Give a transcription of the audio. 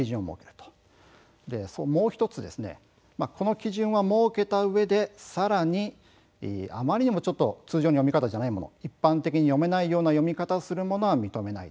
そしてもう１つこの基準は設けたうえで、さらにあまりにも通常の読み方ではないもの、一般的に読めないような読み方をするものは認めない。